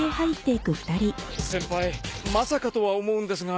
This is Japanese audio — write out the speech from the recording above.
先輩まさかとは思うんですが。